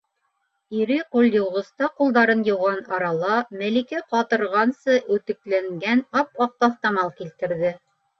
- Ире ҡулъйыуғыста ҡулдарын йыуған арала Мәликә ҡатырғансы үтекләнгән ап-аҡ таҫтамал килтерҙе.